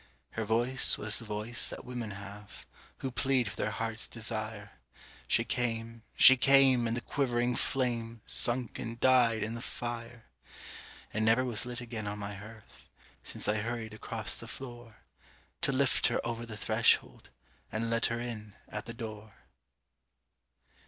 Her voice was the voice that women have, Who plead for their heart's desire. She came—she came—and the quivering flame Sunk and died in the fire. It never was lit again on my hearth Since I hurried across the floor, To lift her over the threshold, and let her in at the door.